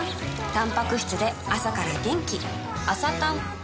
たんぱく質で朝から元気